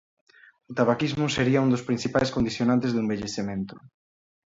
O tabaquismo sería un dos principais condicionantes do envellecemento.